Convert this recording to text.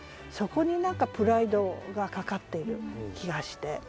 そこに何かプライドがかかっている気がして。